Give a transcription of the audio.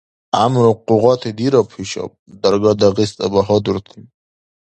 ГӀямру къугъати дираб хӀушаб, Дарга-Дагъиста багьадурти!